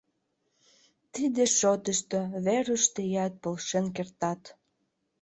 Тиде шотышто, Веруш, тыят полшен кертат.